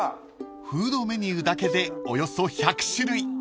［フードメニューだけでおよそ１００種類］